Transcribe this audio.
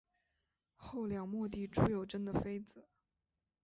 后梁末帝朱友贞的妃子。